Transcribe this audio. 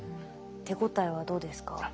手応えはどうですか？